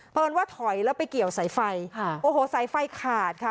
เอิญว่าถอยแล้วไปเกี่ยวสายไฟค่ะโอ้โหสายไฟขาดค่ะ